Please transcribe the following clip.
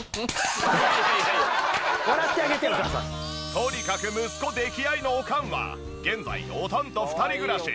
とにかく息子溺愛のおかんは現在おとんと２人暮らし。